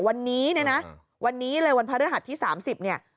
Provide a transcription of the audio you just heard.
วันนี้เนี้ยนะวันนี้เลยวันภรรยหัสที่สามสิบเนี้ย